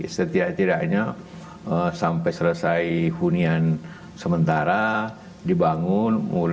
setidaknya sampai selesai hunian sementara dibangun mulai agak berhasil